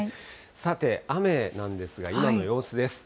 さて、雨なんですが、今の様子です。